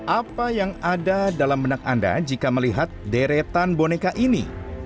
apa yang ada dalam benak anda jika melihat deretan boneka ini